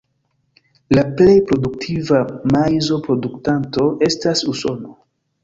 La plej produktiva maizo-produktanto estas Usono.